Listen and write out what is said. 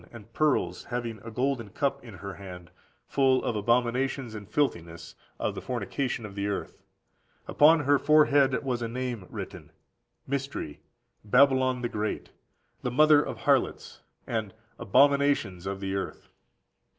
and pearls, having a golden cup in her hand, full of abominations and filthiness14751475 τὰ ἀκάθαρτα, for the received ἀκαθαρτότητος. of the fornication of the earth. Upon her forehead was a name written, Mystery, Babylon the Great, the Mother of Harlots and Abominations of the Earth.